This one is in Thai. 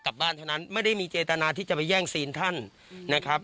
บ้านเท่านั้นไม่ได้มีเจตนาที่จะไปแย่งซีนท่านนะครับ